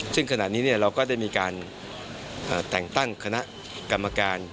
ซึ่งขณะนี้เราก็ได้มีการแต่งตั้งคณะกรรมการ